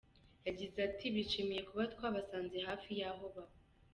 Yagize ati “Bishimye kuba twabasanze hafi y’aho baba.